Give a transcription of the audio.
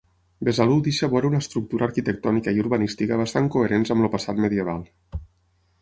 Besalú deixa veure una estructura arquitectònica i urbanística bastant coherents amb el passat medieval.